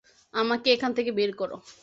আমাকে এখান থেকে বের করো।